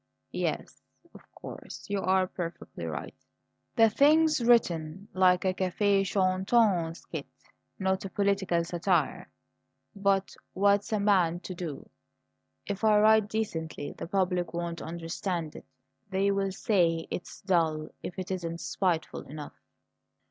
"Yes, of course, you are perfectly right. The thing's written like a cafe chantant skit, not a political satire. But what's a man to do? If I write decently the public won't understand it; they will say it's dull if it isn't spiteful enough."